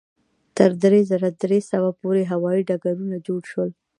تر درې زره درې سوه پورې هوایي ډګرونه جوړ شول.